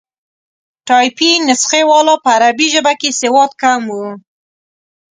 ټایپي نسخې والا په عربي ژبه کې سواد کم وو.